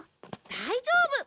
大丈夫！